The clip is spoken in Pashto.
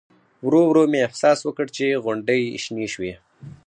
ورو ورو مې احساس وکړ چې غونډۍ شنې شوې.